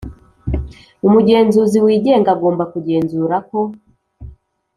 Umugenzuzi wigenga agomba kugenzura ko